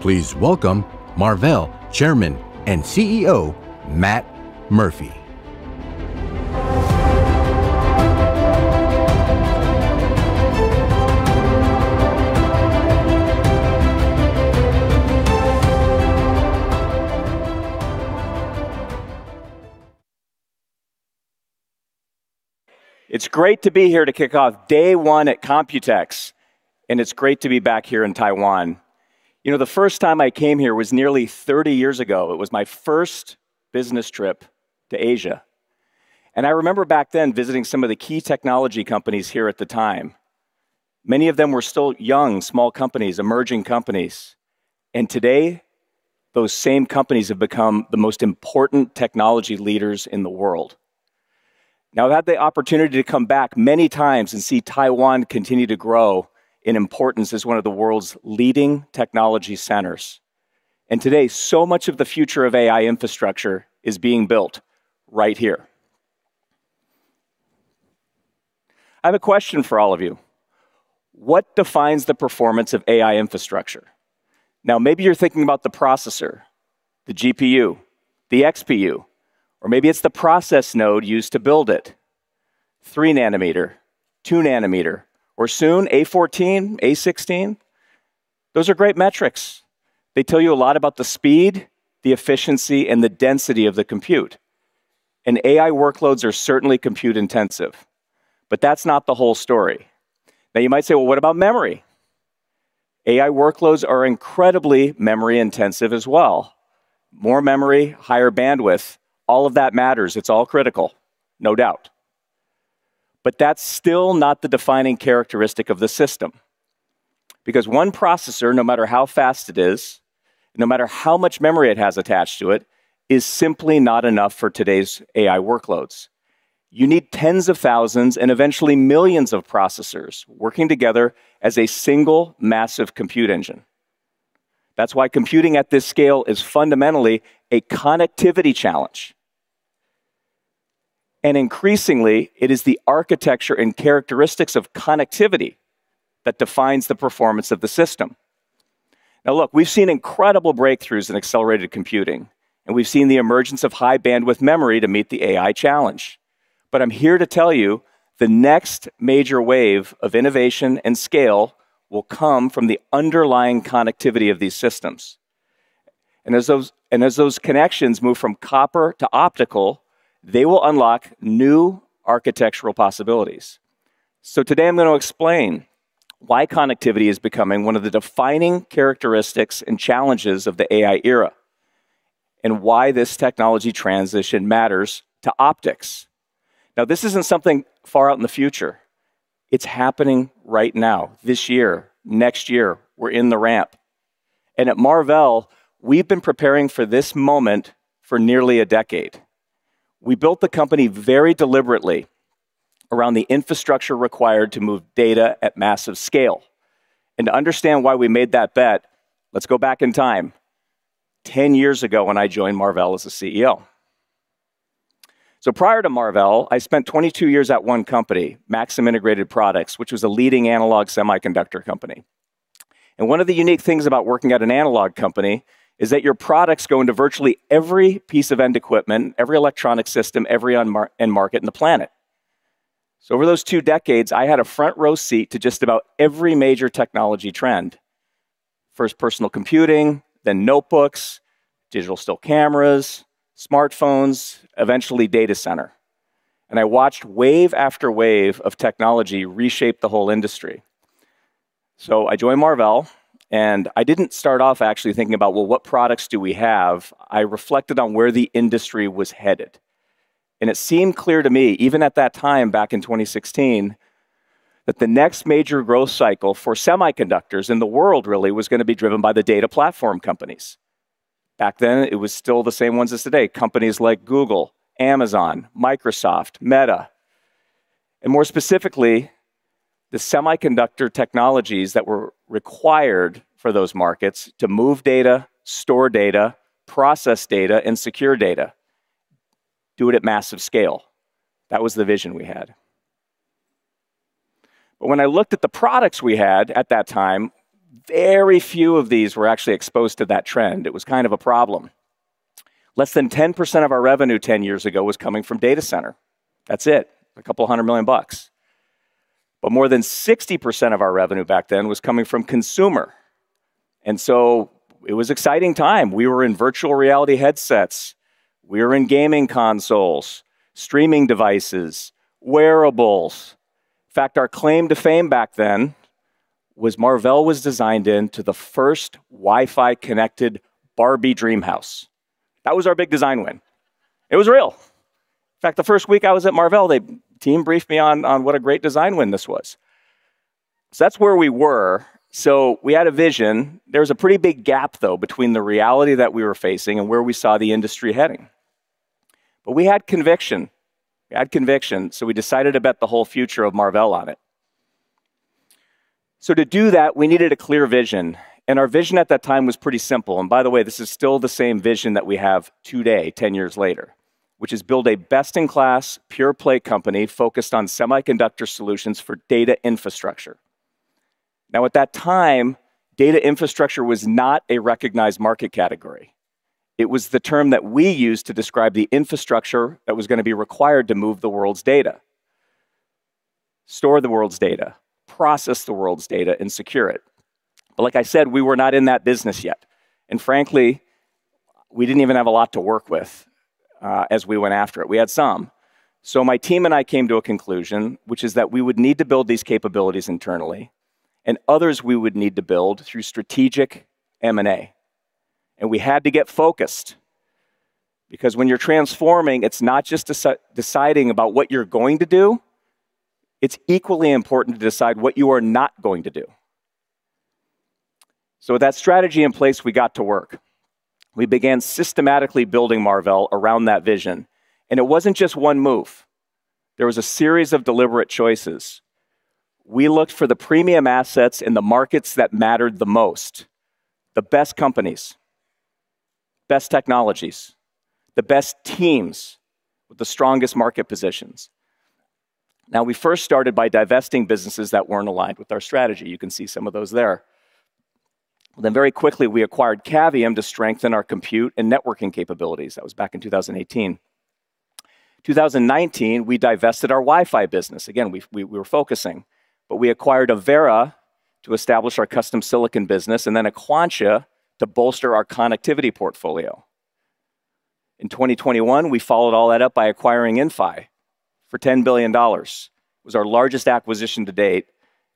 Please welcome Marvell Chairman and CEO, Matt Murphy. It's great to be here to kick off day one at COMPUTEX, and it's great to be back here in Taiwan. The first time I came here was nearly 30 years ago. It was my first business trip to Asia, and I remember back then visiting some of the key technology companies here at the time. Many of them were still young, small companies, emerging companies, and today, those same companies have become the most important technology leaders in the world. Now, I've had the opportunity to come back many times and see Taiwan continue to grow in importance as one of the world's leading technology centers. Today, so much of the future of AI infrastructure is being built right here. I have a question for all of you. What defines the performance of AI infrastructure? Now, maybe you're thinking about the processor, the GPU, the XPU, or maybe it's the process node used to build it. 3 nm, 2 nm, or soon A14, A16. Those are great metrics. They tell you a lot about the speed, the efficiency, and the density of the compute. AI workloads are certainly compute-intensive, but that's not the whole story. Now you might say, "Well, what about memory?" AI workloads are incredibly memory intensive as well. More memory, higher bandwidth, all of that matters. It's all critical, no doubt. That's still not the defining characteristic of the system. Because one processor, no matter how fast it is, no matter how much memory it has attached to it, is simply not enough for today's AI workloads. You need tens of thousands and eventually millions of processors working together as a single massive compute engine. That's why computing at this scale is fundamentally a connectivity challenge. Increasingly, it is the architecture and characteristics of connectivity that defines the performance of the system. Now look, we've seen incredible breakthroughs in accelerated computing, and we've seen the emergence of high-bandwidth memory to meet the AI challenge. I'm here to tell you the next major wave of innovation and scale will come from the underlying connectivity of these systems. As those connections move from copper to optical, they will unlock new architectural possibilities. Today I'm going to explain why connectivity is becoming one of the defining characteristics and challenges of the AI era, and why this technology transition matters to optics. Now, this isn't something far out in the future. It's happening right now, this year, next year. We're in the ramp. At Marvell, we've been preparing for this moment for nearly a decade. We built the company very deliberately around the infrastructure required to move data at massive scale. To understand why we made that bet, let's go back in time, 10 years ago, when I joined Marvell as the CEO. Prior to Marvell, I spent 22 years at one company, Maxim Integrated Products, which was a leading analog semiconductor company. One of the unique things about working at an analog company is that your products go into virtually every piece of end equipment, every electronic system, every end market in the planet. Over those two decades, I had a front row seat to just about every major technology trend. First personal computing, then notebooks, digital still cameras, smartphones, eventually data center. I watched wave after wave of technology reshape the whole industry. I joined Marvell, and I didn't start off actually thinking about, well, what products do we have? I reflected on where the industry was headed. It seemed clear to me, even at that time back in 2016, that the next major growth cycle for semiconductors in the world really was going to be driven by the data platform companies. Back then, it was still the same ones as today, companies like Google, Amazon, Microsoft, Meta, and more specifically, the semiconductor technologies that were required for those markets to move data, store data, process data, and secure data, do it at massive scale. That was the vision we had. When I looked at the products we had at that time, very few of these were actually exposed to that trend. It was kind of a problem. Less than 10% of our revenue 10 years ago was coming from data center. That's it, couple hundred million bucks. More than 60% of our revenue back then was coming from consumer, it was exciting time. We were in virtual reality headsets. We were in gaming consoles, streaming devices, wearables. In fact, our claim to fame back then was Marvell was designed into the first Wi-Fi connected Barbie Dreamhouse. That was our big design win. It was real. In fact, the first week I was at Marvell, the team briefed me on what a great design win this was. That's where we were. We had a vision. There was a pretty big gap, though, between the reality that we were facing and where we saw the industry heading. We had conviction. We decided to bet the whole future of Marvell on it. To do that, we needed a clear vision, and our vision at that time was pretty simple. By the way, this is still the same vision that we have today, 10 years later. Which is build a best-in-class pure-play company focused on semiconductor solutions for data infrastructure. At that time, data infrastructure was not a recognized market category. It was the term that we used to describe the infrastructure that was going to be required to move the world's data, store the world's data, process the world's data, and secure it. Like I said, we were not in that business yet, and frankly, we didn't even have a lot to work with as we went after it. We had some. My team and I came to a conclusion, which is that we would need to build these capabilities internally, and others we would need to build through strategic M&A. We had to get focused because when you're transforming, it's not just deciding about what you're going to do, it's equally important to decide what you are not going to do. With that strategy in place, we got to work. We began systematically building Marvell around that vision, and it wasn't just one move. There was a series of deliberate choices. We looked for the premium assets in the markets that mattered the most, the best companies, best technologies, the best teams with the strongest market positions. We first started by divesting businesses that weren't aligned with our strategy. You can see some of those there. Very quickly, we acquired Cavium to strengthen our compute and networking capabilities. That was back in 2018. 2019, we divested our Wi-Fi business. Again, we were focusing. We acquired Avera to establish our custom silicon business and Aquantia to bolster our connectivity portfolio. In 2021, we followed all that up by acquiring Inphi for $10 billion. It was our largest acquisition to date,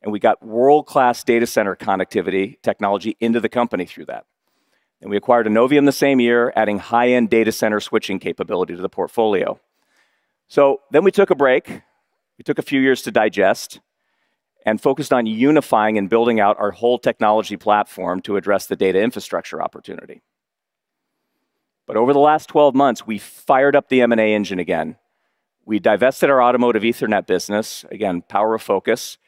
and we got world-class data center connectivity technology into the company through that. We acquired Innovium the same year, adding high-end data center switching capability to the portfolio. We took a break. We took a few years to digest and focused on unifying and building out our whole technology platform to address the data infrastructure opportunity. Over the last 12 months, we fired up the M&A engine again. We divested our automotive Ethernet business, again, power of focus,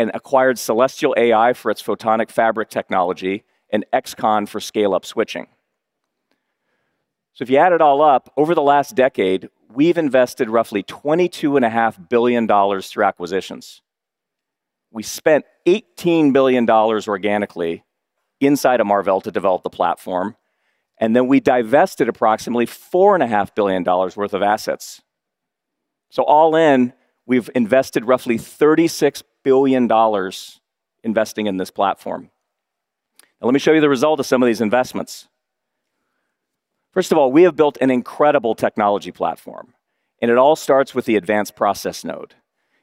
and acquired Celestial AI for its Photonic Fabric technology and XConn for scale-up switching. If you add it all up, over the last decade, we've invested roughly $22.5 billion through acquisitions. We spent $18 billion organically inside of Marvell to develop the platform. We divested approximately $4.5 billion worth of assets. All in, we've invested roughly $36 billion investing in this platform. Now, let me show you the result of some of these investments. First of all, we have built an incredible technology platform. It all starts with the advanced process node.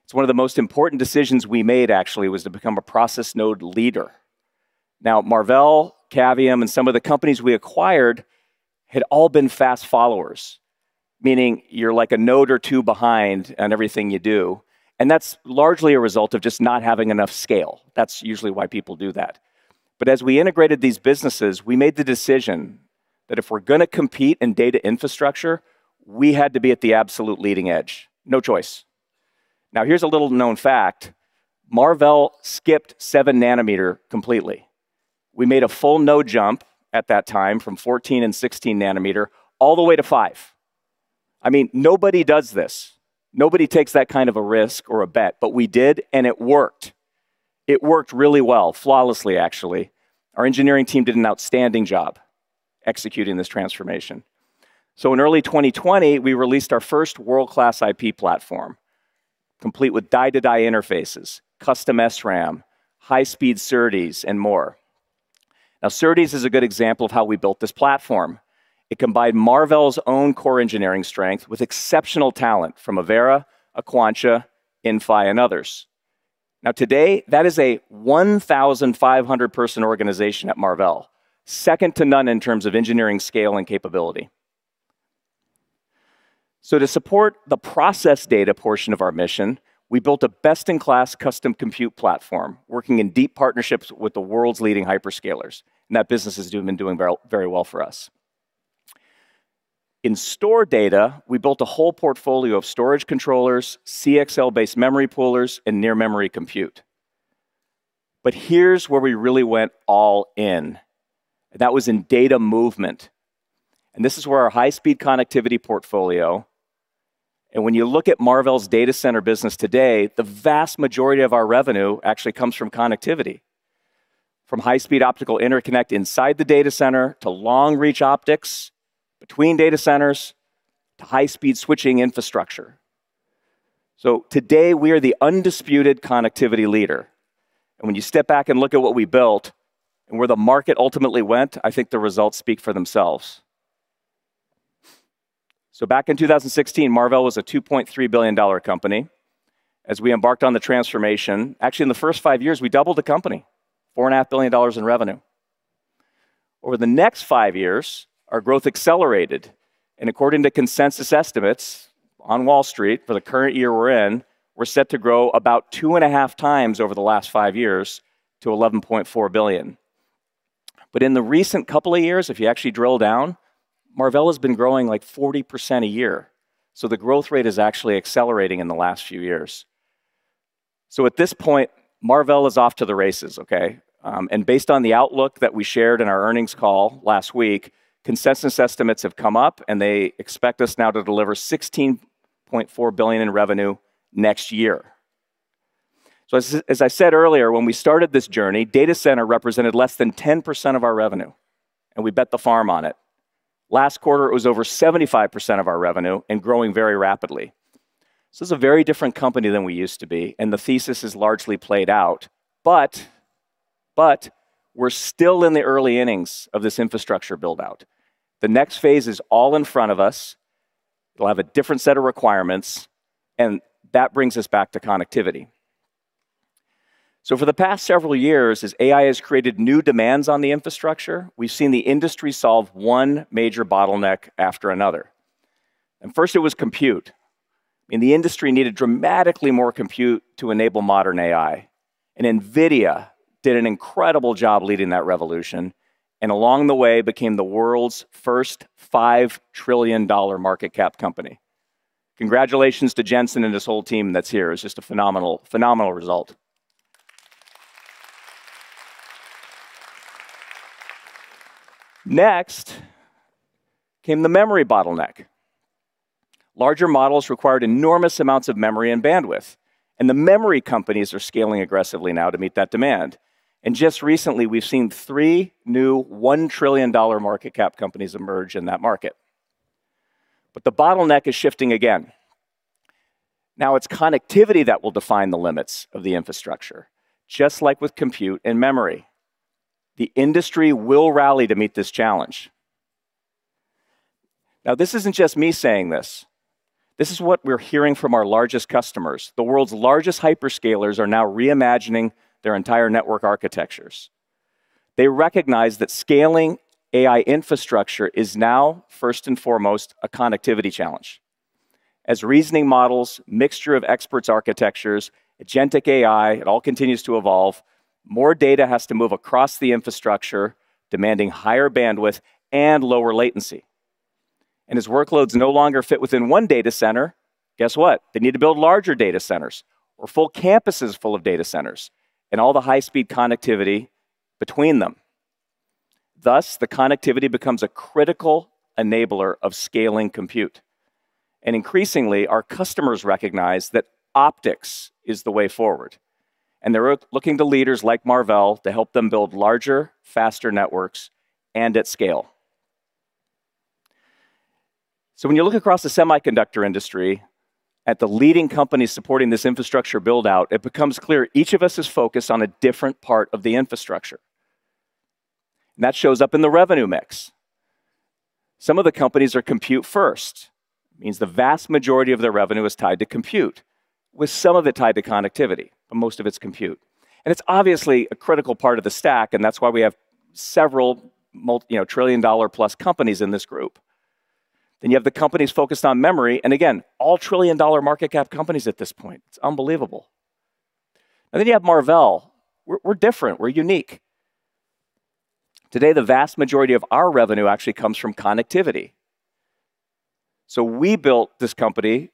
It's one of the most important decisions we made, actually, was to become a process node leader. Marvell, Cavium, and some of the companies we acquired had all been fast followers, meaning you're like a node or two behind on everything you do, and that's largely a result of just not having enough scale. That's usually why people do that. As we integrated these businesses, we made the decision that if we're going to compete in data infrastructure, we had to be at the absolute leading edge. No choice. Here's a little-known fact. Marvell skipped 7 nm completely. We made a full node jump at that time from 14 nm and 16 nm all the way to 5 nm. I mean, nobody does this. Nobody takes that kind of a risk or a bet, but we did, and it worked. It worked really well. Flawlessly, actually. Our engineering team did an outstanding job executing this transformation. In early 2020, we released our first world-class IP platform, complete with die-to-die interfaces, custom SRAM, high-speed SerDes, and more. SerDes is a good example of how we built this platform. It combined Marvell's own core engineering strength with exceptional talent from Avera, Aquantia, Inphi, and others. Today, that is a 1,500-person organization at Marvell, second to none in terms of engineering scale and capability. To support the process data portion of our mission, we built a best-in-class custom compute platform, working in deep partnerships with the world's leading hyperscalers, and that business has been doing very well for us. In store data, we built a whole portfolio of storage controllers, CXL-based memory poolers, and near memory compute. Here's where we really went all in. That was in data movement. This is where our high-speed connectivity portfolio, and when you look at Marvell's data center business today, the vast majority of our revenue actually comes from connectivity, from high-speed optical interconnect inside the data center to long-reach optics between data centers to high-speed switching infrastructure. Today, we are the undisputed connectivity leader. When you step back and look at what we built and where the market ultimately went, I think the results speak for themselves. Back in 2016, Marvell was a $2.3 billion company. As we embarked on the transformation, actually, in the first five years, we doubled the company, $4.5 billion in revenue. Over the next five years, our growth accelerated, and according to consensus estimates on Wall Street for the current year we're in, we're set to grow about 2.5x over the last five years to $11.4 billion. In the recent couple of years, if you actually drill down, Marvell has been growing like 40% a year. The growth rate is actually accelerating in the last few years. At this point, Marvell is off to the races, okay. Based on the outlook that we shared in our earnings call last week, consensus estimates have come up and they expect us now to deliver $16.4 billion in revenue next year. As I said earlier, when we started this journey, data center represented less than 10% of our revenue, and we bet the farm on it. Last quarter, it was over 75% of our revenue and growing very rapidly. This is a very different company than we used to be, and the thesis is largely played out. We're still in the early innings of this infrastructure build-out. The next phase is all in front of us. It'll have a different set of requirements, and that brings us back to connectivity. For the past several years, as AI has created new demands on the infrastructure, we've seen the industry solve one major bottleneck after another. First it was compute. The industry needed dramatically more compute to enable modern AI. NVIDIA did an incredible job leading that revolution, along the way became the world's first $5 trillion market cap company. Congratulations to Jensen and his whole team that's here. It's just a phenomenal result. Next came the memory bottleneck. Larger models required enormous amounts of memory and bandwidth. The memory companies are scaling aggressively now to meet that demand. Just recently, we've seen three new $1 trillion market cap companies emerge in that market. The bottleneck is shifting again. It's connectivity that will define the limits of the infrastructure, just like with compute and memory. The industry will rally to meet this challenge. This isn't just me saying this. This is what we're hearing from our largest customers. The world's largest hyperscalers are now reimagining their entire network architectures. They recognize that scaling AI infrastructure is now, first and foremost, a connectivity challenge. As reasoning models, mixture of experts architectures, agentic AI, it all continues to evolve, more data has to move across the infrastructure, demanding higher bandwidth and lower latency. As workloads no longer fit within one data center, guess what? They need to build larger data centers or full campuses full of data centers and all the high-speed connectivity between them. The connectivity becomes a critical enabler of scaling compute. Increasingly, our customers recognize that optics is the way forward, and they're looking to leaders like Marvell to help them build larger, faster networks and at scale. When you look across the semiconductor industry at the leading companies supporting this infrastructure build-out, it becomes clear each of us is focused on a different part of the infrastructure. That shows up in the revenue mix. Some of the companies are compute first. It means the vast majority of their revenue is tied to compute, with some of it tied to connectivity, but most of it's compute. It's obviously a critical part of the stack, and that's why we have several trillion-dollar-plus companies in this group. You have the companies focused on memory, and again, all trillion-dollar market cap companies at this point. It's unbelievable. NVIDIA and Marvell. We're different. We're unique. Today, the vast majority of our revenue actually comes from connectivity. We built this company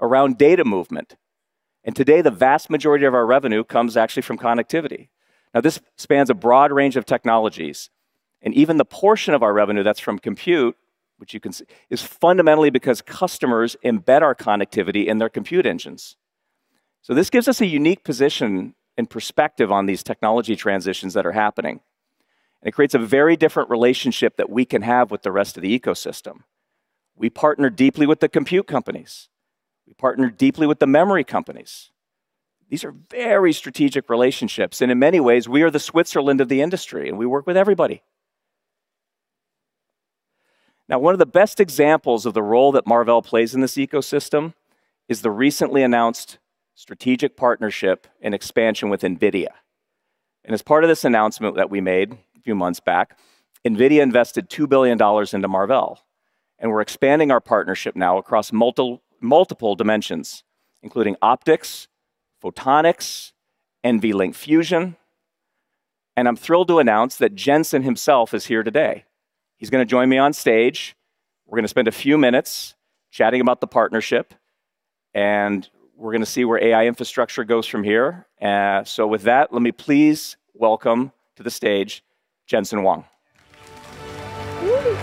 around data movement, and today the vast majority of our revenue comes actually from connectivity. This spans a broad range of technologies, and even the portion of our revenue that's from compute, which you can see, is fundamentally because customers embed our connectivity in their compute engines. This gives us a unique position and perspective on these technology transitions that are happening. It creates a very different relationship that we can have with the rest of the ecosystem. We partner deeply with the compute companies. We partner deeply with the memory companies. These are very strategic relationships, and in many ways, we are the Switzerland of the industry, and we work with everybody. One of the best examples of the role that Marvell plays in this ecosystem is the recently announced strategic partnership and expansion with NVIDIA. As part of this announcement that we made a few months back, NVIDIA invested $2 billion into Marvell. We're expanding our partnership now across multiple dimensions, including optics, photonics, NVLink Fusion. I'm thrilled to announce that Jensen himself is here today. He's going to join me on stage. We're going to spend a few minutes chatting about the partnership, and we're going to see where AI infrastructure goes from here. With that, let me please welcome to the stage Jensen Huang. Hey,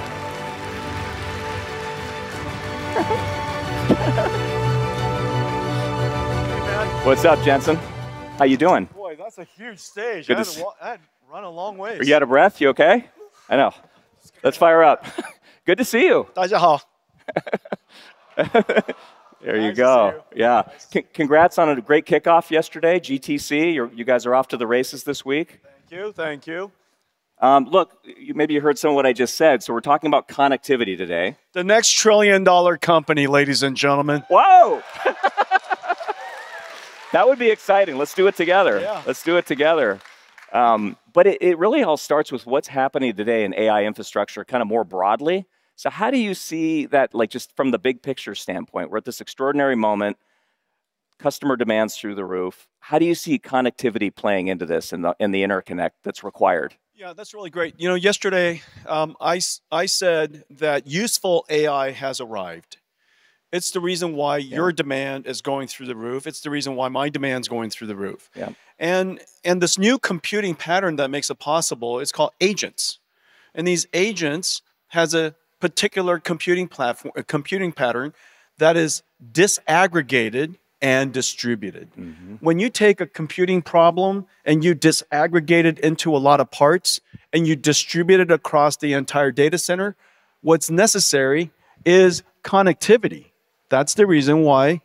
man. What's up, Jensen? How you doing? Boy, that's a huge stage. Good to s- I had to run a long ways. Are you out of breath? You okay? Oof. I know. Scared me. Let's fire up. Good to see you. There you go. Nice to see you. Yeah. Congrats on a great kickoff yesterday, GTC. You guys are off to the races this week. Thank you. Look, maybe you heard some of what I just said. We're talking about connectivity today. The next trillion-dollar company, ladies and gentlemen. Whoa. That would be exciting. Let's do it together. Yeah. It really all starts with what's happening today in AI infrastructure kind of more broadly. How do you see that, just from the big picture standpoint? We're at this extraordinary moment, customer demand's through the roof. How do you see connectivity playing into this in the interconnect that's required? Yeah, that's really great. Yesterday, I said that useful AI has arrived. It's the reason why your demand is going through the roof. It's the reason why my demand's going through the roof. Yeah. This new computing pattern that makes it possible is called agents. These agents has a particular computing pattern that is disaggregated and distributed. When you take a computing problem and you disaggregate it into a lot of parts, and you distribute it across the entire data center, what's necessary is connectivity. That's the reason why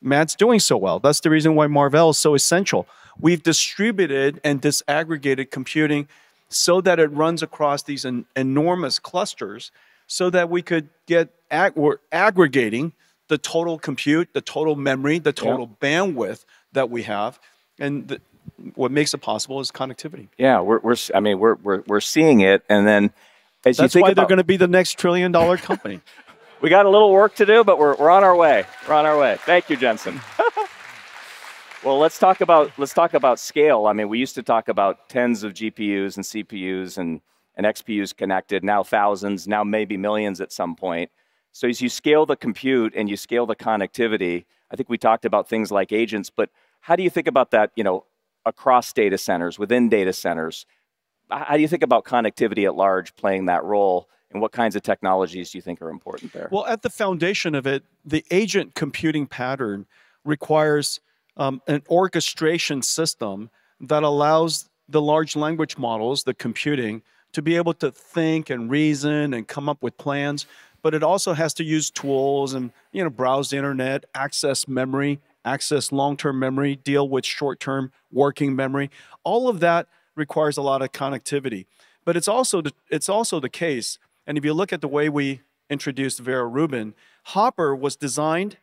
Matt's doing so well. That's the reason why Marvell is so essential. We've distributed and disaggregated computing so that it runs across these enormous clusters so that we're aggregating the total compute, the total memory, the total- Yeah bandwidth that we have, and what makes it possible is connectivity. Yeah. We're seeing it. That's why they're going to be the next trillion-dollar company. We got a little work to do, but we're on our way. We're on our way. Thank you, Jensen. Well, let's talk about scale. We used to talk about 10s of GPUs, and CPUs, and XPUs connected, now thousands, now maybe millions at some point. As you scale the compute and you scale the connectivity, I think we talked about things like agents, but how do you think about that across data centers, within data centers? How do you think about connectivity at large playing that role, and what kinds of technologies do you think are important there? Well, at the foundation of it, the agent computing pattern requires an orchestration system that allows the large language models, the computing, to be able to think and reason and come up with plans. It also has to use tools and browse the internet, access memory, access long-term memory, deal with short-term working memory. All of that requires a lot of connectivity. It's also the case, and if you look at the way we introduced Vera Rubin, Hopper was designed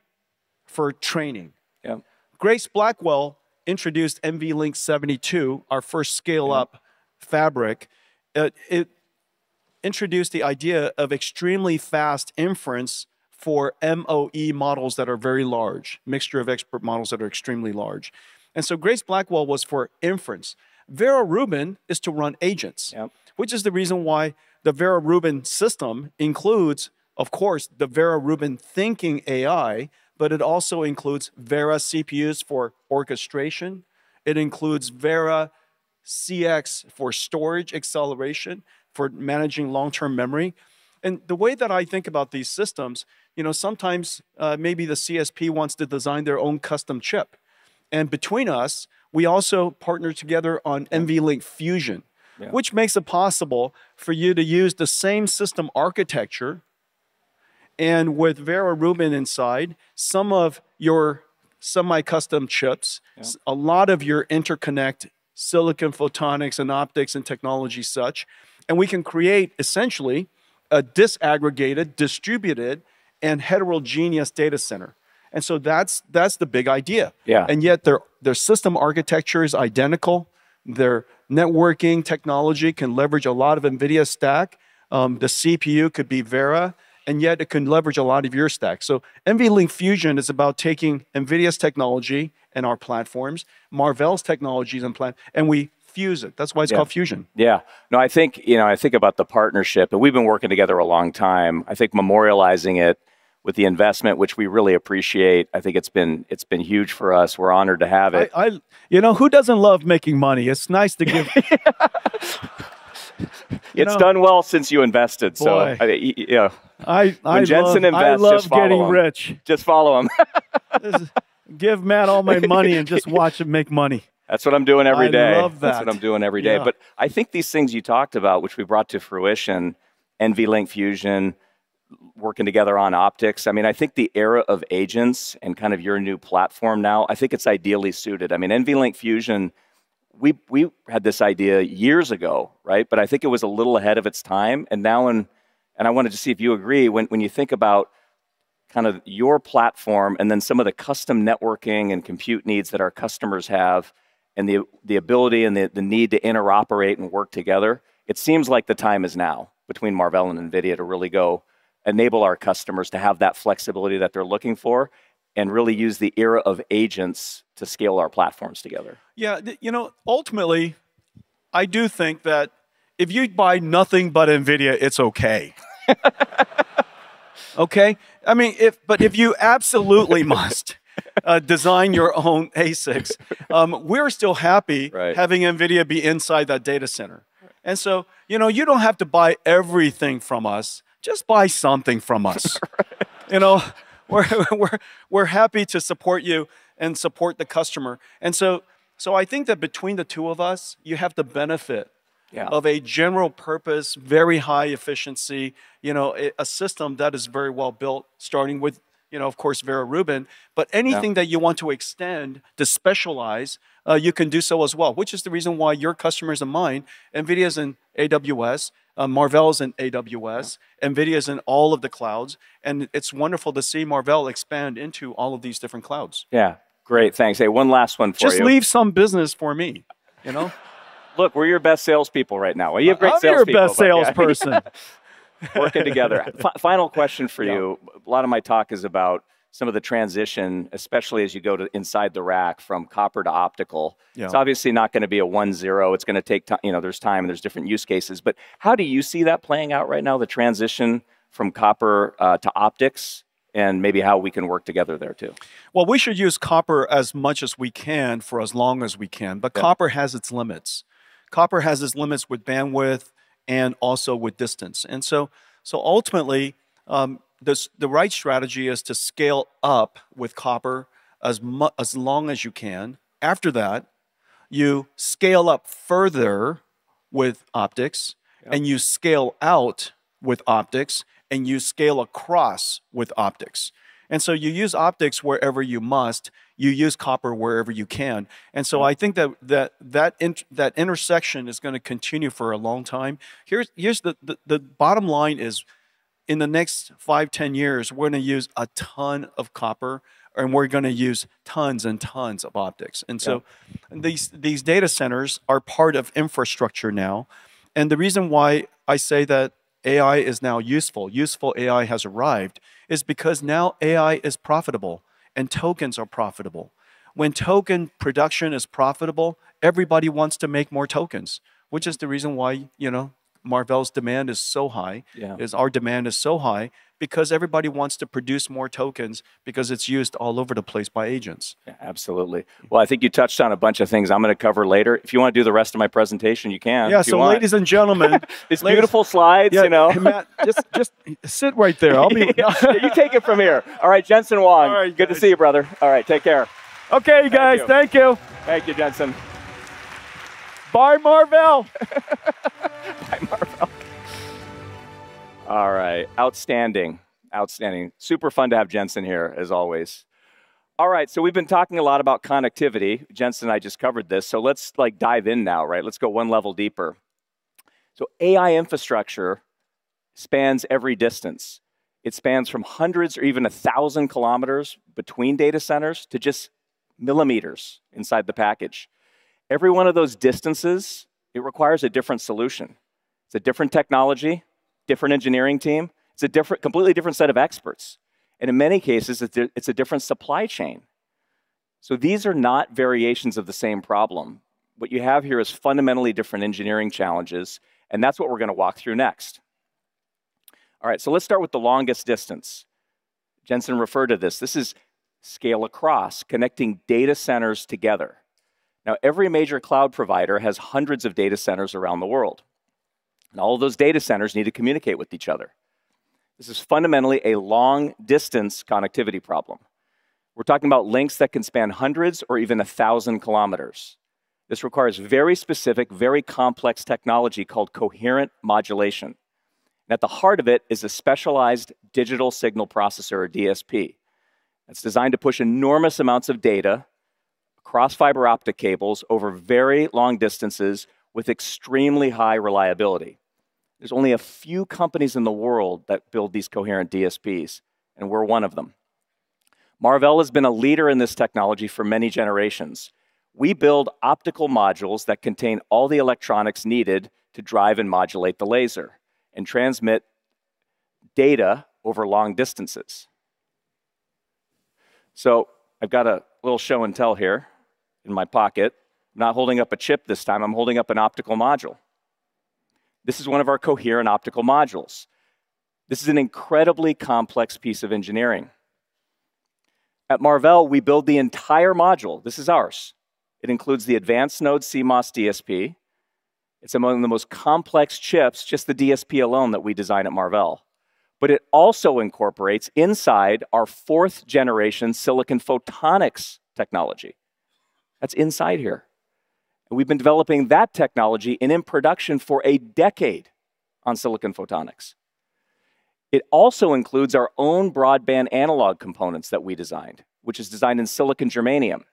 for training. Yeah. Grace Blackwell introduced GB200 NVL72, our first scale-up fabric. It introduced the idea of extremely fast inference for MoE models that are very large, mixture of expert models that are extremely large. Grace Blackwell was for inference. Vera Rubin is to run agents. Yeah. Which is the reason why the Vera Rubin system includes, of course, the Vera Rubin thinking AI, but it also includes Vera CPU for orchestration. It includes Vera CX for storage acceleration, for managing long-term memory. The way that I think about these systems, sometimes maybe the CSP wants to design their own custom chip. Between us, we also partner together on NVLink Fusion. Yeah. Which makes it possible for you to use the same system architecture, and with Vera Rubin inside some of your semi-custom chips. Yeah a lot of your interconnect silicon photonics and optics and technology such, and we can create essentially a disaggregated, distributed, and heterogeneous data center. That's the big idea. Yeah. Yet their system architecture is identical. Their networking technology can leverage a lot of NVIDIA stack. The CPU could be Vera, yet it can leverage a lot of your stack. NVLink Fusion is about taking NVIDIA's technology and our platforms, Marvell's technologies. We fuse it. That's why it's called fusion. Yeah. No, I think about the partnership, and we've been working together a long time. I think memorializing it with the investment, which we really appreciate, I think it's been huge for us. We're honored to have it. Who doesn't love making money? It's nice to give. It's done well since you invested. Boy when Jensen invests, just follow him. I love getting rich. Just follow him. Give Matt all my money and just watch it make money. That's what I'm doing every day. I love that. That's what I'm doing every day. Yeah. I think these things you talked about, which we brought to fruition, NVLink Fusion, working together on optics, I think the era of agents and your new platform now, I think it's ideally suited. NVLink Fusion, we had this idea years ago, right? I think it was a little ahead of its time, and now, and I wanted to see if you agree, when you think about your platform and then some of the custom networking and compute needs that our customers have, and the ability and the need to interoperate and work together, it seems like the time is now between Marvell and NVIDIA to really go enable our customers to have that flexibility that they're looking for and really use the era of agents to scale our platforms together. Yeah. Ultimately, I do think that if you buy nothing but NVIDIA, it's okay. Okay? If you absolutely must design your own ASICs, we're still happy- Right having NVIDIA be inside that data center. You don't have to buy everything from us. Just buy something from us. Right. We're happy to support you and support the customer. I think that between the two of us, you have the benefit. Yeah of a general purpose, very high efficiency, a system that is very well-built, starting with, of course, Vera Rubin. Yeah that you want to extend, to specialize, you can do so as well, which is the reason why your customers and mine, NVIDIA's in AWS, Marvell's in AWS. Yeah. NVIDIA's in all of the clouds, and it's wonderful to see Marvell expand into all of these different clouds. Yeah. Great. Thanks. Hey, one last one for you. Just leave some business for me. Look, we're your best salespeople right now. Well, you have great salespeople, but yeah. I'm your best salesperson. Working together. Final question for you. Yeah. A lot of my talk is about some of the transition, especially as you go to inside the rack from copper to optical. Yeah. It's obviously not going to be a one zero. There's time and there's different use cases. How do you see that playing out right now, the transition from copper to optics, and maybe how we can work together there too. Well, we should use copper as much as we can for as long as we can. Yeah. Copper has its limits. Copper has its limits with bandwidth and also with distance. Ultimately, the right strategy is to scale up with copper as long as you can. After that, you scale up further with optics. Yeah You scale out with optics, and you scale across with optics. You use optics wherever you must. You use copper wherever you can. I think that that intersection is going to continue for a long time. Here's the bottom line is, in the next five, 10 years, we're going to use a ton of copper, and we're going to use tons and tons of optics. Yeah. These data centers are part of infrastructure now. The reason why I say that AI is now useful AI has arrived, is because now AI is profitable and tokens are profitable. When token production is profitable, everybody wants to make more tokens, which is the reason why Marvell's demand is so high. Yeah. Our demand is so high because everybody wants to produce more tokens because it's used all over the place by agents. Yeah, absolutely. Well, I think you touched on a bunch of things I'm going to cover later. If you want to do the rest of my presentation, you can, if you want. Yeah. ladies and gentlemen. These beautiful slides. Yeah, Matt, just sit right there. You take it from here. All right, Jensen Huang. All right, you guys. Good to see you, brother. All right, take care. Okay, you guys. Thank you. Thank you, Jensen. Buy Marvell. Buy Marvell. All right. Outstanding. Super fun to have Jensen here, as always. All right, we've been talking a lot about connectivity. Jensen and I just covered this. Let's dive in now. Let's go one level deeper. AI infrastructure spans every distance. It spans from hundreds or even 1,000 km between data centers to just millimeters inside the package. Every one of those distances, it requires a different solution. It's a different technology, different engineering team. It's a completely different set of experts, and in many cases, it's a different supply chain. These are not variations of the same problem. What you have here is fundamentally different engineering challenges, and that's what we're going to walk through next. All right, let's start with the longest distance. Jensen referred to this. This is scale across, connecting data centers together. Every major cloud provider has hundreds of data centers around the world. All of those data centers need to communicate with each other. This is fundamentally a long-distance connectivity problem. We're talking about links that can span hundreds or even a thousand kilometers. This requires very specific, very complex technology called coherent modulation. At the heart of it is a specialized digital signal processor, or DSP. It's designed to push enormous amounts of data across fiber optic cables over very long distances with extremely high reliability. There's only a few companies in the world that build these coherent DSPs, and we're one of them. Marvell has been a leader in this technology for many generations. We build optical modules that contain all the electronics needed to drive and modulate the laser and transmit data over long distances. I've got a little show-and-tell here in my pocket. I'm not holding up a chip this time. I'm holding up an optical module. This is one of our coherent optical modules. This is an incredibly complex piece of engineering. At Marvell, we build the entire module. This is ours. It includes the advanced node CMOS DSP. It's among the most complex chips, just the DSP alone, that we design at Marvell. It also incorporates inside our fourth-generation silicon photonics technology. That's inside here. We've been developing that technology and in production for a decade on silicon photonics. It also includes our own broadband analog components that we designed, which is designed in silicon germanium.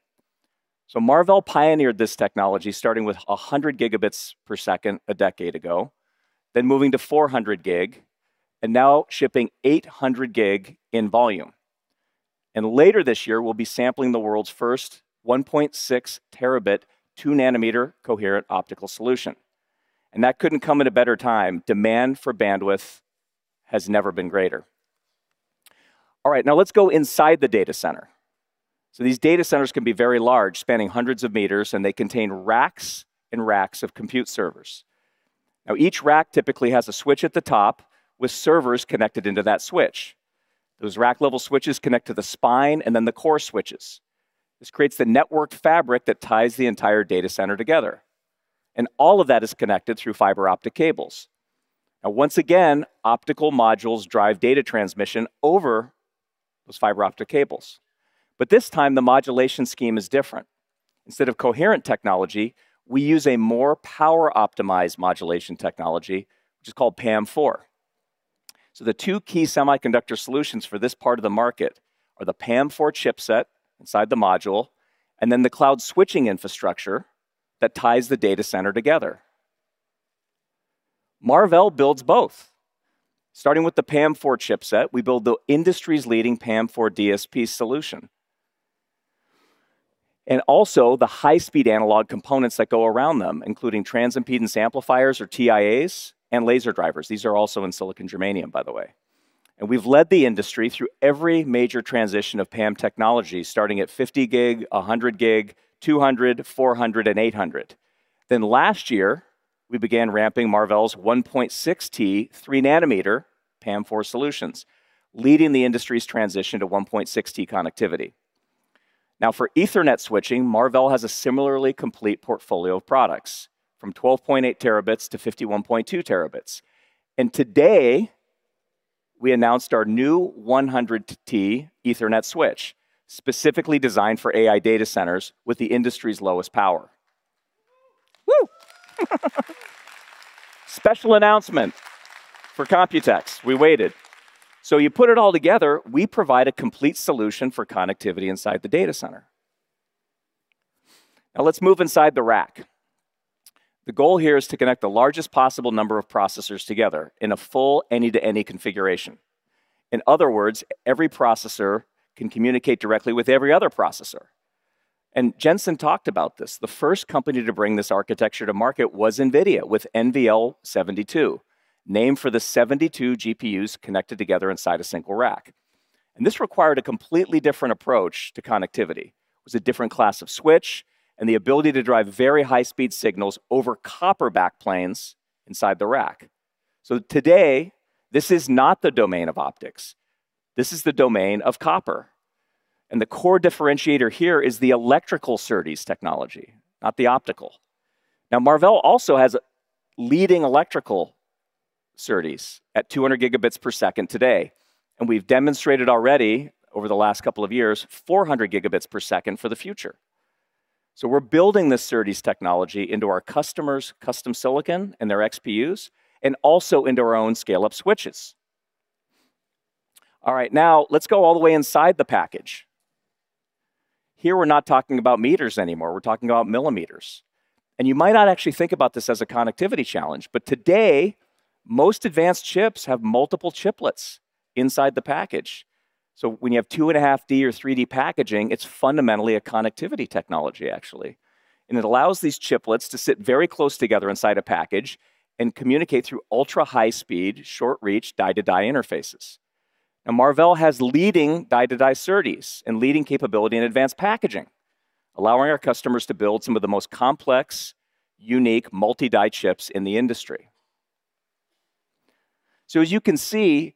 Marvell pioneered this technology starting with 100 Gb per second a decade ago, then moving to 400 gig, and now shipping 800 gig in volume. Later this year, we'll be sampling the world's first 1.6 Tb, 2 nm coherent optical solution. That couldn't come at a better time. Demand for bandwidth has never been greater. All right, now let's go inside the data center. These data centers can be very large, spanning hundreds of meters, and they contain racks and racks of compute servers. Each rack typically has a switch at the top with servers connected into that switch. Those rack level switches connect to the spine and then the core switches. This creates the network fabric that ties the entire data center together. All of that is connected through fiber optic cables. Once again, optical modules drive data transmission over those fiber optic cables. This time, the modulation scheme is different. Instead of coherent technology, we use a more power-optimized modulation technology, which is called PAM4. The two key semiconductor solutions for this part of the market are the PAM4 chipset inside the module and the cloud switching infrastructure that ties the data center together. Marvell builds both. Starting with the PAM4 chipset, we build the industry's leading PAM4 DSP solution. Also the high-speed analog components that go around them, including transimpedance amplifiers, or TIAs, and laser drivers. These are also in silicon germanium, by the way. We've led the industry through every major transition of PAM technology, starting at 50 gig, 100 gig, 200 gig, 400 gig, and 800 gig. Last year, we began ramping Marvell's 1.6 Tb 3 nm PAM4 solutions, leading the industry's transition to 1.6 Tb connectivity. For Ethernet switching, Marvell has a similarly complete portfolio of products, from 12.8 Tb to 51.2 Tb. Today, we announced our new 100T Ethernet switch, specifically designed for AI data centers with the industry's lowest power. Whoo. Special announcement for COMPUTEX. We waited. You put it all together, we provide a complete solution for connectivity inside the data center. Let's move inside the rack. The goal here is to connect the largest possible number of processors together in a full any-to-any configuration. In other words, every processor can communicate directly with every other processor. Jensen talked about this. The first company to bring this architecture to market was NVIDIA with NVL72, named for the 72 GPUs connected together inside a single rack. This required a completely different approach to connectivity. It was a different class of switch and the ability to drive very high-speed signals over copper backplanes inside the rack. Today, this is not the domain of optics. This is the domain of copper. The core differentiator here is the electrical SerDes technology, not the optical. Marvell also has leading electrical SerDes at 200 Gb per second today. We've demonstrated already, over the last couple of years, 400 Gb per second for the future. We're building this SerDes technology into our customers' custom silicon and their XPUs, and also into our own scale-up switches. All right. Let's go all the way inside the package. Here, we're not talking about meters anymore. We're talking about millimeters. You might not actually think about this as a connectivity challenge, but today, most advanced chips have multiple chiplets inside the package. When you have 2.5D or 3D packaging, it's fundamentally a connectivity technology, actually. It allows these chiplets to sit very close together inside a package and communicate through ultra-high speed, short-reach die-to-die interfaces. Marvell has leading die-to-die SerDes and leading capability in advanced packaging, allowing our customers to build some of the most complex, unique multi-die chips in the industry. As you can see,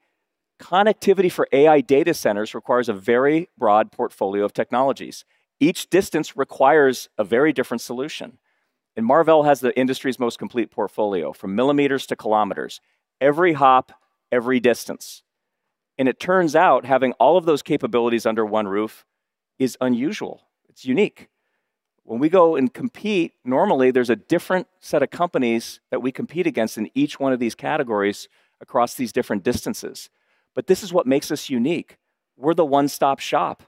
connectivity for AI data centers requires a very broad portfolio of technologies. Each distance requires a very different solution. Marvell has the industry's most complete portfolio, from millimeters to kilometers, every hop, every distance. It turns out having all of those capabilities under one roof is unusual. It's unique. When we go and compete, normally there's a different set of companies that we compete against in each one of these categories across these different distances. This is what makes us unique. We're the one-stop shop.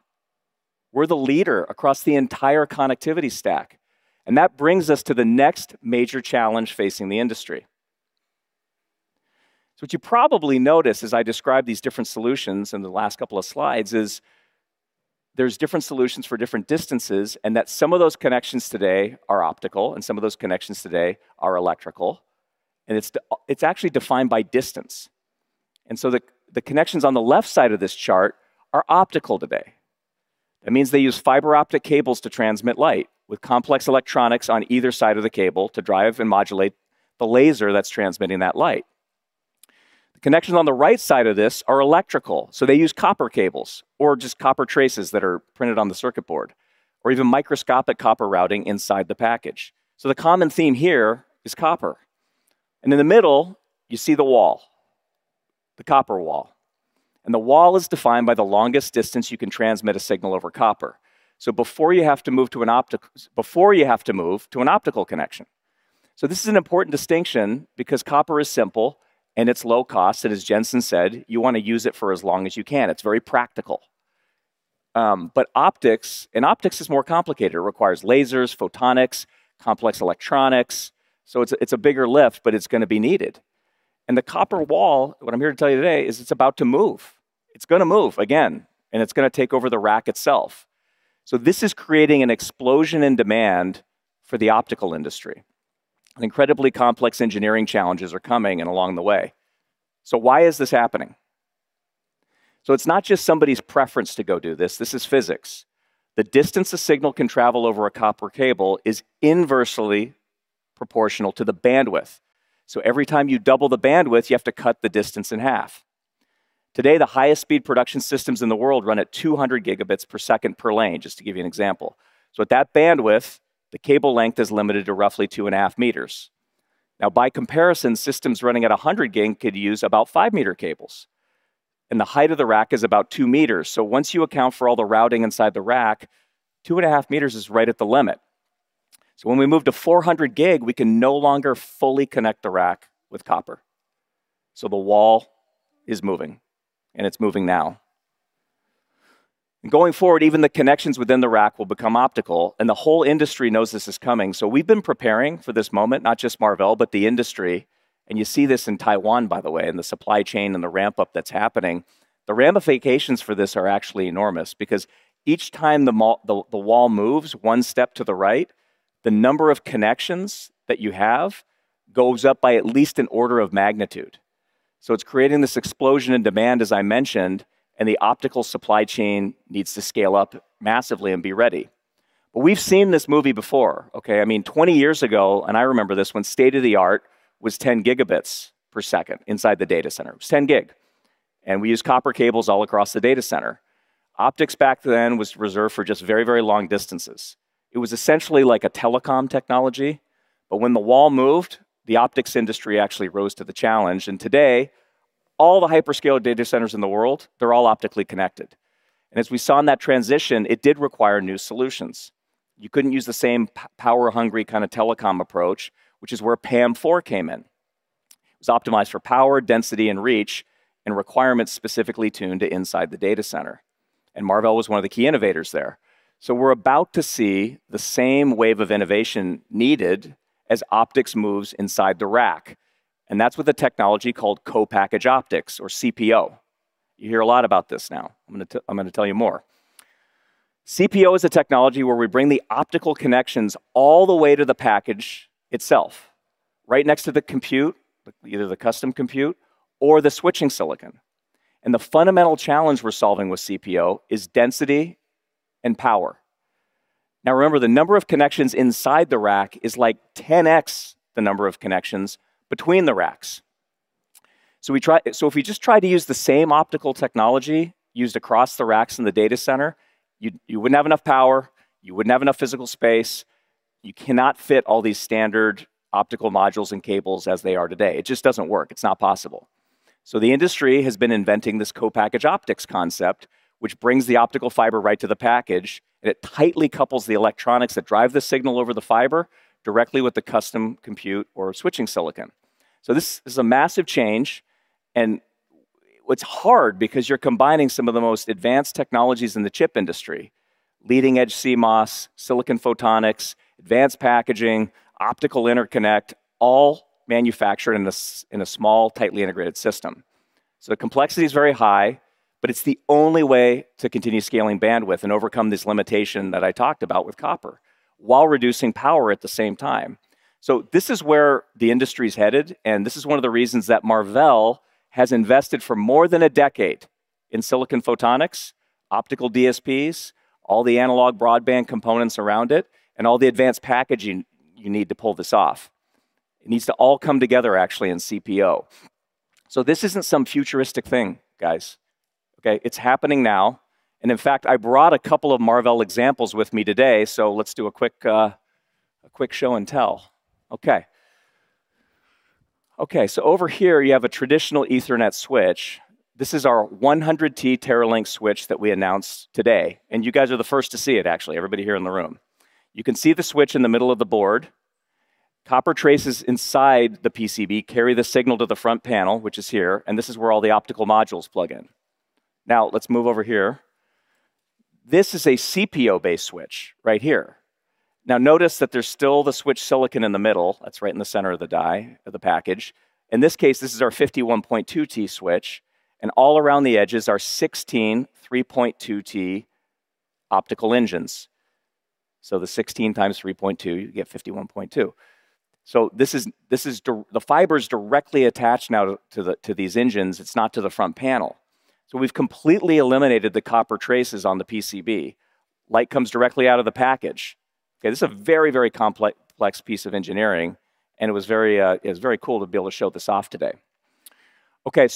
We're the leader across the entire connectivity stack. That brings us to the next major challenge facing the industry. What you probably noticed as I described these different solutions in the last couple of slides is there's different solutions for different distances, and that some of those connections today are optical, and some of those connections today are electrical. It's actually defined by distance. The connections on the left side of this chart are optical today. That means they use fiber optic cables to transmit light, with complex electronics on either side of the cable to drive and modulate the laser that's transmitting that light. The connections on the right side of this are electrical, so they use copper cables or just copper traces that are printed on the circuit board, or even microscopic copper routing inside the package. The common theme here is copper. In the middle, you see the wall, the copper wall. The wall is defined by the longest distance you can transmit a signal over copper. Before you have to move to an optical connection. This is an important distinction because copper is simple and it's low cost, and as Jensen said, you want to use it for as long as you can. It's very practical. Optics, and optics is more complicated. It requires lasers, photonics, complex electronics. It's a bigger lift, but it's going to be needed. The copper wall, what I'm here to tell you today, is it's about to move. It's going to move again, and it's going to take over the rack itself. This is creating an explosion in demand for the optical industry. Incredibly complex engineering challenges are coming and along the way. Why is this happening? It's not just somebody's preference to go do this. This is physics. The distance a signal can travel over a copper cable is inversely proportional to the bandwidth. Every time you double the bandwidth, you have to cut the distance in half. Today, the highest speed production systems in the world run at 200 Gb per second per lane, just to give you an example. At that bandwidth, the cable length is limited to roughly 2.5 m. By comparison, systems running at 100 gig could use about 5 m cables. The height of the rack is about 2 m. Once you account for all the routing inside the rack, 2.5 m is right at the limit. When we move to 400 gig, we can no longer fully connect the rack with copper. The wall is moving, and it's moving now. Going forward, even the connections within the rack will become optical, and the whole industry knows this is coming. We've been preparing for this moment, not just Marvell, but the industry. You see this in Taiwan, by the way, in the supply chain and the ramp-up that's happening. The ramifications for this are actually enormous because each time the wall moves one step to the right, the number of connections that you have goes up by at least an order of magnitude. It's creating this explosion in demand, as I mentioned, and the optical supply chain needs to scale up massively and be ready. We've seen this movie before, okay. I mean, 20 years ago, and I remember this, when state-of-the-art was 10 Gb per second inside the data center. It was 10 gig. We used copper cables all across the data center. Optics back then was reserved for just very long distances. It was essentially like a telecom technology. When the wall moved, the optics industry actually rose to the challenge. Today, all the hyperscale data centers in the world, they're all optically connected. As we saw in that transition, it did require new solutions. You couldn't use the same power-hungry kind of telecom approach, which is where PAM4 came in. It was optimized for power, density, and reach, and requirements specifically tuned to inside the data center. Marvell was one of the key innovators there. We're about to see the same wave of innovation needed as optics moves inside the rack. That's with a technology called co-packaged optics, or CPO. You hear a lot about this now. I'm going to tell you more. CPO is a technology where we bring the optical connections all the way to the package itself, right next to the compute, either the custom compute or the switching silicon. The fundamental challenge we're solving with CPO is density and power. Now remember, the number of connections inside the rack is like 10x the number of connections between the racks. If you just try to use the same optical technology used across the racks in the data center, you wouldn't have enough power. You wouldn't have enough physical space. You cannot fit all these standard optical modules and cables as they are today. It just doesn't work. It's not possible. The industry has been inventing this co-packaged optics concept, which brings the optical fiber right to the package, and it tightly couples the electronics that drive the signal over the fiber directly with the custom compute or switching silicon. This is a massive change, and it's hard because you're combining some of the most advanced technologies in the chip industry, leading-edge CMOS, silicon photonics, advanced packaging, optical interconnect, all manufactured in a small, tightly integrated system. The complexity is very high, but it's the only way to continue scaling bandwidth and overcome this limitation that I talked about with copper while reducing power at the same time. This is where the industry's headed, and this is one of the reasons that Marvell has invested for more than a decade in silicon photonics, optical DSPs, all the analog broadband components around it, and all the advanced packaging you need to pull this off. It needs to all come together actually in CPO. This isn't some futuristic thing, guys, okay. It's happening now. In fact, I brought a couple of Marvell examples with me today. Let's do a quick show and tell. Okay. Over here, you have a traditional Ethernet switch. This is our 100T Teralynx switch that we announced today, and you guys are the first to see it, actually, everybody here in the room. You can see the switch in the middle of the board. Copper traces inside the PCB carry the signal to the front panel, which is here, and this is where all the optical modules plug in. Let's move over here. This is a CPO-based switch right here. Notice that there's still the switch silicon in the middle. That's right in the center of the die of the package. In this case, this is our 51.2T switch, and all around the edges are 16 3.2T optical engines. The 16 times 3.2, you get 51.2. The fiber's directly attached now to these engines. It's not to the front panel. We've completely eliminated the copper traces on the PCB. Light comes directly out of the package. This is a very complex piece of engineering, and it was very cool to be able to show this off today. Okay,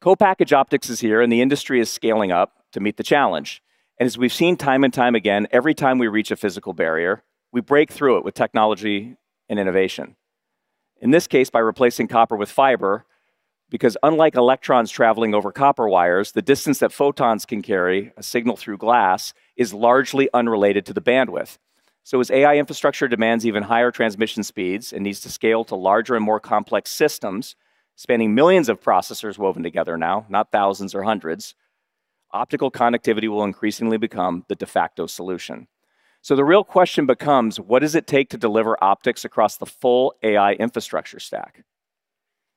co-packaged optics is here, the industry is scaling up to meet the challenge. As we've seen time and time again, every time we reach a physical barrier, we break through it with technology and innovation. In this case, by replacing copper with fiber, because unlike electrons traveling over copper wires, the distance that photons can carry a signal through glass is largely unrelated to the bandwidth. As AI infrastructure demands even higher transmission speeds and needs to scale to larger and more complex systems, spanning millions of processors woven together now, not thousands or hundreds, optical connectivity will increasingly become the de facto solution. The real question becomes, what does it take to deliver optics across the full AI infrastructure stack?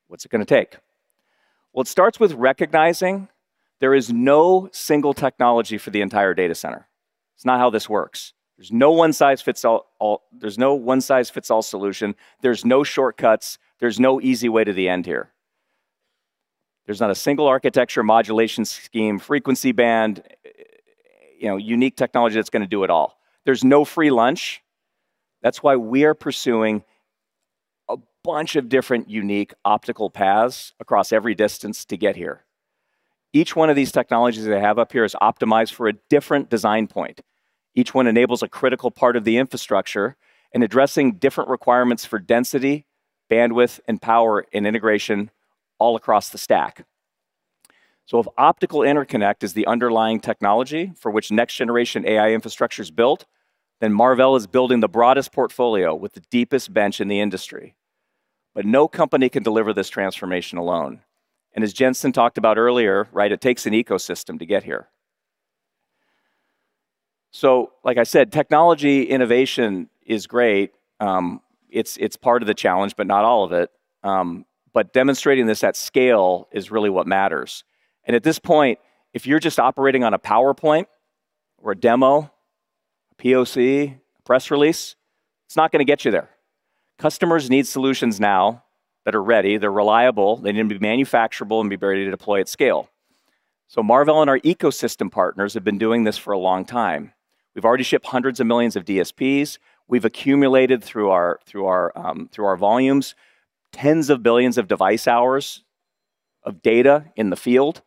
What's it going to take? Well, it starts with recognizing there is no single technology for the entire data center. It's not how this works. There's no one-size-fits-all solution. There's no shortcuts. There's no easy way to the end here. There's not a single architecture, modulation scheme, frequency band, unique technology that's going to do it all. There's no free lunch. We are pursuing a bunch of different unique optical paths across every distance to get here. Each one of these technologies that I have up here is optimized for a different design point. Each one enables a critical part of the infrastructure in addressing different requirements for density, bandwidth, power, and integration all across the stack. If optical interconnect is the underlying technology for which next-generation AI infrastructure is built, then Marvell is building the broadest portfolio with the deepest bench in the industry. No company can deliver this transformation alone. As Jensen talked about earlier, it takes an ecosystem to get here. Like I said, technology innovation is great. It's part of the challenge, but not all of it. Demonstrating this at scale is really what matters. At this point, if you're just operating on a PowerPoint or a demo, a POC, a press release, it's not going to get you there. Customers need solutions now that are ready, they're reliable, they need to be manufacturable, and be ready to deploy at scale. Marvell and our ecosystem partners have been doing this for a long time. We've already shipped hundreds of millions of DSPs. We've accumulated through our volumes, tens of billions of device hours of data in the field.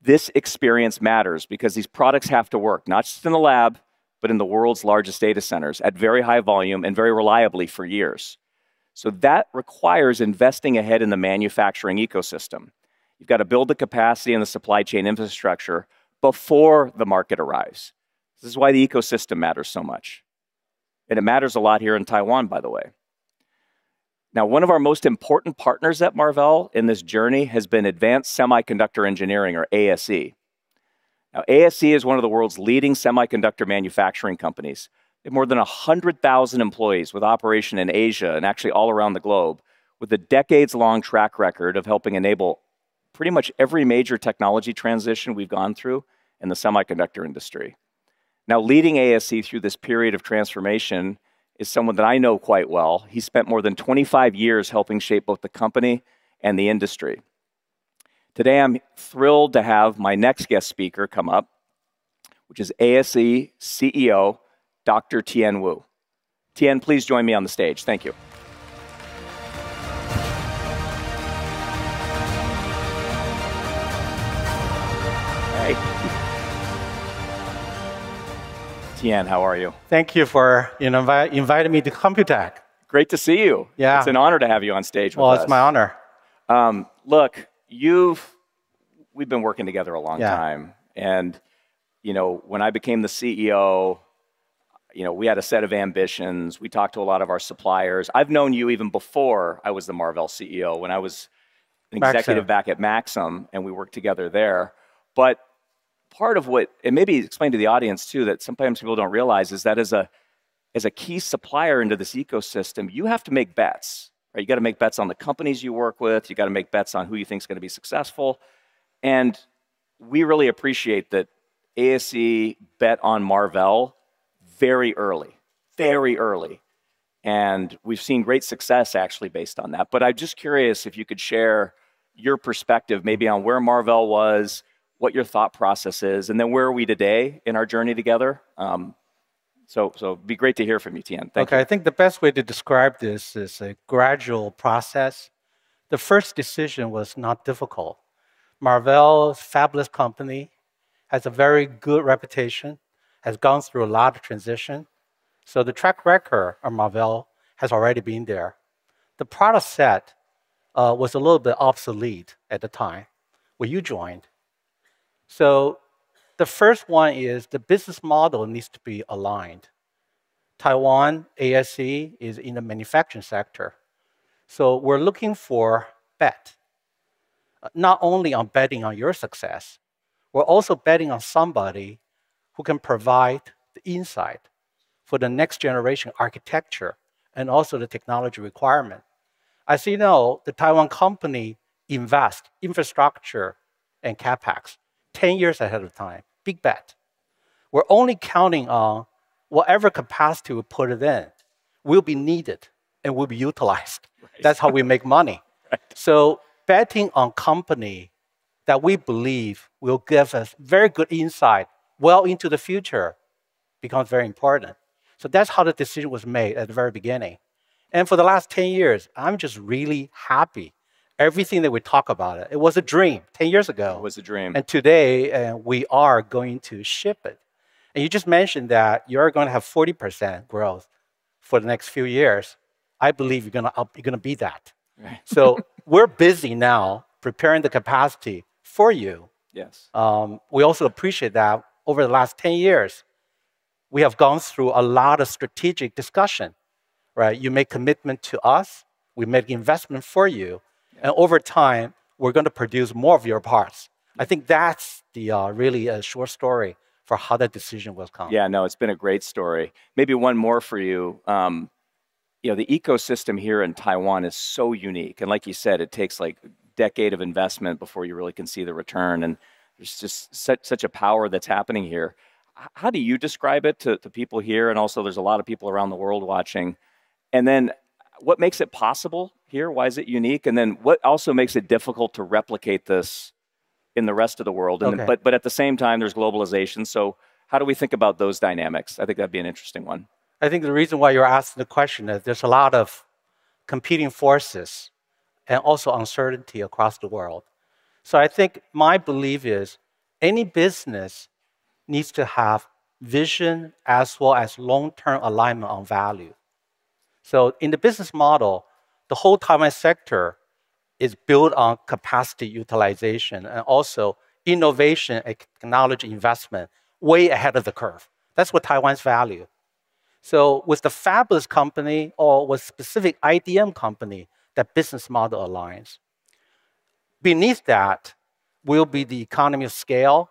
This experience matters because these products have to work, not just in the lab, but in the world's largest data centers at very high volume and very reliably for years. That requires investing ahead in the manufacturing ecosystem. You've got to build the capacity and the supply chain infrastructure before the market arrives. This is why the ecosystem matters so much, and it matters a lot here in Taiwan, by the way. One of our most important partners at Marvell in this journey has been Advanced Semiconductor Engineering or ASE. ASE is one of the world's leading semiconductor manufacturing companies. They have more than 100,000 employees with operation in Asia and actually all around the globe, with a decades-long track record of helping enable pretty much every major technology transition we've gone through in the semiconductor industry. Leading ASE through this period of transformation is someone that I know quite well. He spent more than 25 years helping shape both the company and the industry. Today, I'm thrilled to have my next guest speaker come up, which is ASE CEO, Dr. Tien Wu. Tien, please join me on the stage. Thank you. Hey. Tien, how are you? Thank you for inviting me to COMPUTEX. Great to see you. Yeah. It's an honor to have you on stage with us. Well, it's my honor. Look, we've been working together a long time. Yeah. When I became the CEO, we had a set of ambitions. We talked to a lot of our suppliers. I've known you even before I was the Marvell Technology CEO, when I was an executive back at Maxim, and we worked together there. Part of what, and maybe explain to the audience, too, that sometimes people don't realize, is that as a key supplier into this ecosystem, you have to make bets. You've got to make bets on the companies you work with. You've got to make bets on who you think is going to be successful. We really appreciate that ASE bet on Marvell very early. We've seen great success actually based on that. I'm just curious if you could share your perspective maybe on where Marvell was, what your thought process is, and then where are we today in our journey together. It'd be great to hear from you, Tien. Thank you. Okay. I think the best way to describe this is a gradual process. The first decision was not difficult. Marvell, fabless company, has a very good reputation, has gone through a lot of transition. The track record of Marvell has already been there. The product set was a little bit obsolete at the time when you joined. The first one is the business model needs to be aligned. Taiwan ASE is in the manufacturing sector, so we're looking for bet, not only on betting on your success, we're also betting on somebody who can provide the insight for the next generation architecture and also the technology requirement. As you know, the Taiwan company invest infrastructure and CapEx 10 years ahead of time. Big bet. We're only counting on whatever capacity we put it in will be needed and will be utilized. Right. That's how we make money. Right. Betting on company that we believe will give us very good insight well into the future becomes very important. That's how the decision was made at the very beginning. For the last 10 years, I'm just really happy. Everything that we talk about, it was a dream 10 years ago. It was a dream. Today, we are going to ship it. You just mentioned that you're going to have 40% growth for the next few years. I believe you're going to be that. Right. We're busy now preparing the capacity for you. Yes. We also appreciate that over the last 10 years, we have gone through a lot of strategic discussion. Right? You make commitment to us, we make investment for you. Over time, we're going to produce more of your parts. I think that's the really short story for how that decision was come. Yeah, no, it's been a great story. Maybe one more for you. The ecosystem here in Taiwan is so unique, and like you said, it takes a decade of investment before you really can see the return, and there's just such a power that's happening here. How do you describe it to people here? Also, there's a lot of people around the world watching. What makes it possible here? Why is it unique? What also makes it difficult to replicate this in the rest of the world? Okay. At the same time, there's globalization, so how do we think about those dynamics? I think that'd be an interesting one. I think the reason why you're asking the question is there's a lot of competing forces and also uncertainty across the world. I think my belief is any business needs to have vision as well as long-term alignment on value. In the business model, the whole Taiwan sector is built on capacity utilization and also innovation, technology investment way ahead of the curve. That's what Taiwan's value. With the fabless company or with specific IDM company, that business model aligns. Beneath that will be the economy of scale.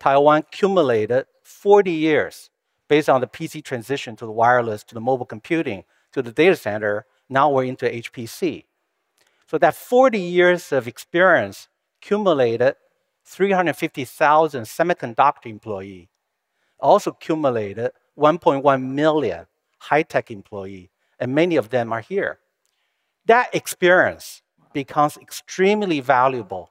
Taiwan accumulated 40 years based on the PC transition to the wireless, to the mobile computing, to the data center. Now we're into HPC. That 40 years of experience accumulated 350,000 semiconductor employee, also accumulated 1.1 million high tech employee, and many of them are here. That experience becomes extremely valuable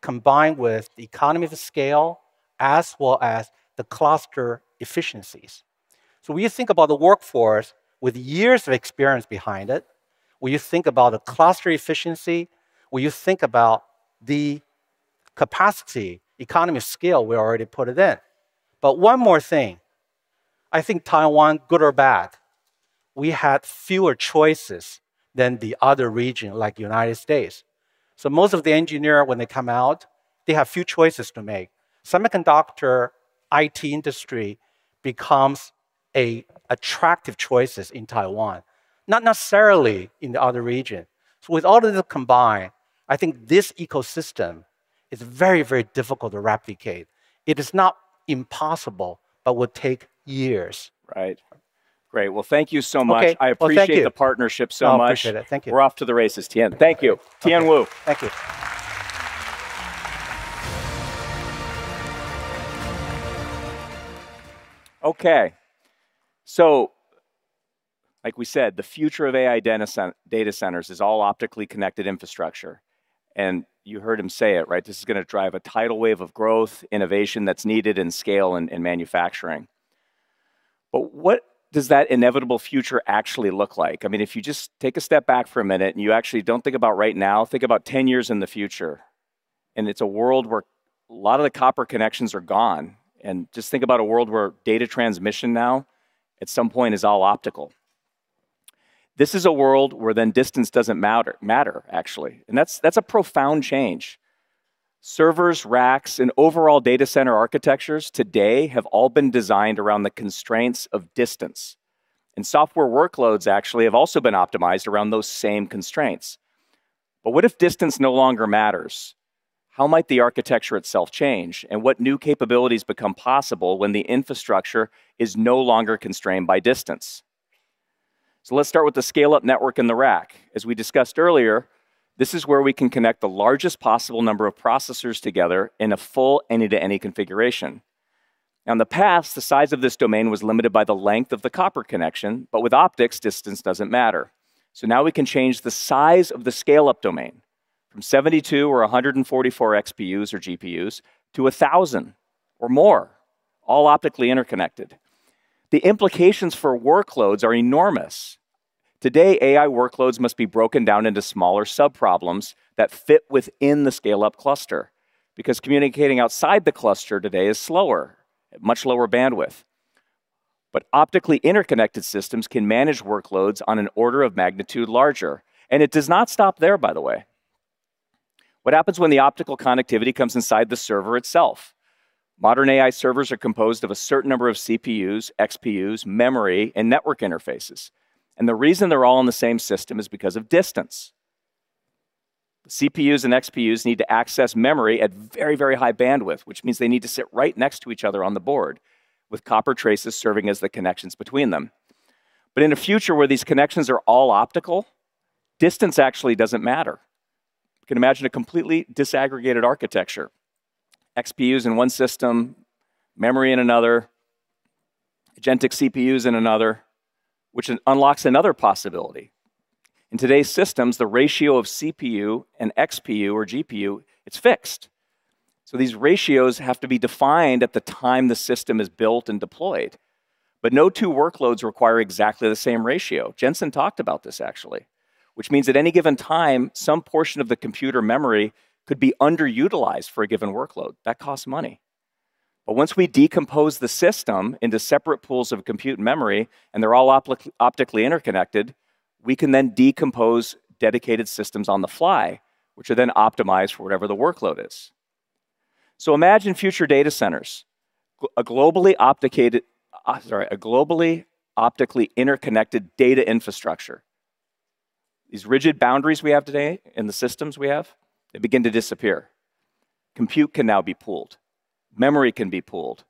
combined with the economy of scale as well as the cluster efficiencies. When you think about the workforce with years of experience behind it, when you think about a cluster efficiency, when you think about the capacity, economy of scale, we already put it in. One more thing, I think Taiwan, good or bad, we had fewer choices than the other region, like United States. Most of the engineer, when they come out, they have few choices to make. Semiconductor, IT industry becomes attractive choices in Taiwan, not necessarily in the other region. With all of that combined, I think this ecosystem is very difficult to replicate. It is not impossible, but will take years. Right. Great. Well, thank you so much. Okay. Well, thank you. I appreciate the partnership so much. No, I appreciate it. Thank you. We're off to the races, Tien. Thank you. Tien Wu. Thank you. Okay, so like we said, the future of AI data centers is all optically connected infrastructure, and you heard him say it. This is going to drive a tidal wave of growth, innovation that's needed, and scale in manufacturing. What does that inevitable future actually look like? If you just take a step back for a minute and you actually don't think about right now, think about 10 years in the future, and it's a world where a lot of the copper connections are gone, and just think about a world where data transmission now, at some point, is all optical. This is a world where then distance doesn't matter, actually, and that's a profound change. Servers, racks, and overall data center architectures today have all been designed around the constraints of distance, and software workloads actually have also been optimized around those same constraints. What if distance no longer matters? How might the architecture itself change? What new capabilities become possible when the infrastructure is no longer constrained by distance? Let's start with the scale-up network in the rack. As we discussed earlier, this is where we can connect the largest possible number of processors together in a full any-to-any configuration. In the past, the size of this domain was limited by the length of the copper connection, but with optics, distance doesn't matter. Now we can change the size of the scale-up domain from 72 or 144 XPUs or GPUs to 1,000 or more, all optically interconnected. The implications for workloads are enormous. Today, AI workloads must be broken down into smaller sub-problems that fit within the scale-up cluster, because communicating outside the cluster today is slower, much lower bandwidth. Optically interconnected systems can manage workloads on an order of magnitude larger, and it does not stop there, by the way. What happens when the optical connectivity comes inside the server itself? Modern AI servers are composed of a certain number of CPUs, XPUs, memory, and network interfaces. The reason they're all in the same system is because of distance. The CPUs and XPUs need to access memory at very high bandwidth, which means they need to sit right next to each other on the board with copper traces serving as the connections between them. In a future where these connections are all optical, distance actually doesn't matter. You can imagine a completely disaggregated architecture, XPUs in one system, memory in another, agentic CPUs in another, which unlocks another possibility. In today's systems, the ratio of CPU and XPU or GPU, it's fixed. These ratios have to be defined at the time the system is built and deployed. No two workloads require exactly the same ratio. Jensen talked about this, actually. Which means at any given time, some portion of the computer memory could be underutilized for a given workload. That costs money. Once we decompose the system into separate pools of compute memory and they're all optically interconnected, we can then decompose dedicated systems on the fly, which are then optimized for whatever the workload is. Imagine future data centers, a globally optically interconnected data infrastructure. These rigid boundaries we have today and the systems we have, they begin to disappear. Compute can now be pooled, memory can be pooled,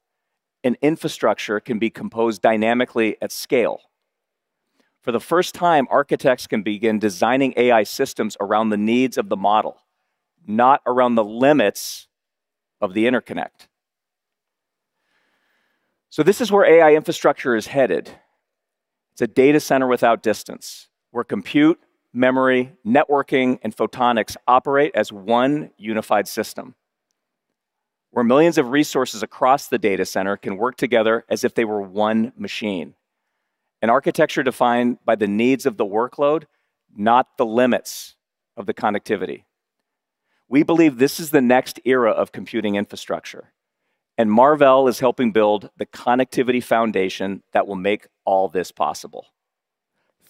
and infrastructure can be composed dynamically at scale. For the first time, architects can begin designing AI systems around the needs of the model, not around the limits of the interconnect. This is where AI infrastructure is headed. It's a data center without distance, where compute, memory, networking, and photonics operate as one unified system. Where millions of resources across the data center can work together as if they were one machine. An architecture defined by the needs of the workload, not the limits of the connectivity. We believe this is the next era of computing infrastructure, and Marvell is helping build the connectivity foundation that will make all this possible.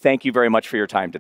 Thank you very much for your time today.